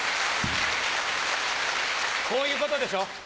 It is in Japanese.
こういうことでしょ。